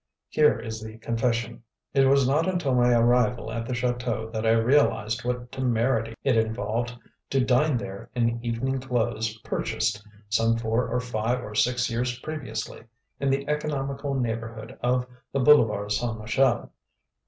Here is the confession: It was not until my arrival at the chateau that I realised what temerity it involved to dine there in evening clothes purchased, some four or five or six years previously, in the economical neighbourhood of the Boulevard St. Michel.